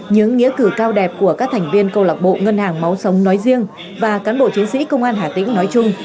những nghĩa cử cao đẹp của các thành viên câu lạc bộ ngân hàng máu sống nói riêng và cán bộ chiến sĩ công an hà tĩnh nói chung